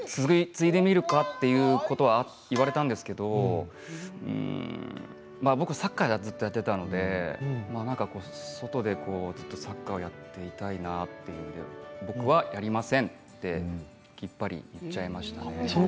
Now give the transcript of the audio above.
継いでみるか？ということを言われたんですけれど僕サッカーをずっとやっていたので外でずっとサッカーをやっていたいなっていうので僕はやりませんってきっぱり言っちゃいましたね。